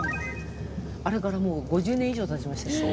あれからもう５０年以上経ちました。